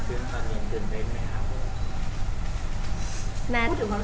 คุณถึงงานกับที่จะเกิดขึ้นค่ะนายยังตื่นเต้นไหมคะ